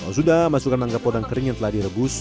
sudah masukkan mangga podang kering yang telah direbus